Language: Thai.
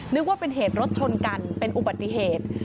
นึกว่าเป็นเหตุรถชนกันเป็นอุบัติเหตุ